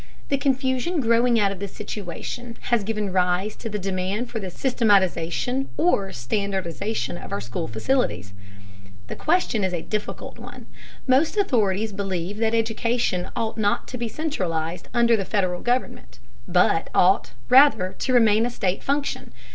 The confusion growing out of this situation has given rise to the demand for the systematization or standardization of our school facilities. The question is a difficult one. Most authorities believe that education ought not to be centralized under the Federal government, but ought, rather, to remain a state function.